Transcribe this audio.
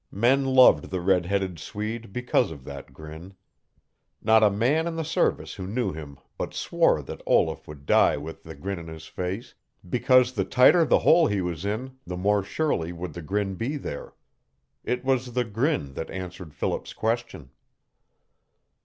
Men loved the red headed Swede because of that grin. Not a man in the service who knew him but swore that Olaf would die with the grin on his face, because the tighter the hole he was in the more surely would the grin be there. It was the grin that answered Philip's question.